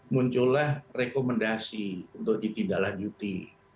muncullah rekomendasi untuk ditindaklanjuti